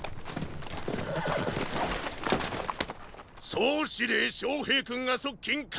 総司令昌平君が側近介